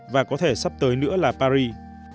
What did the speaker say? và có thể sắp tới nữa là paris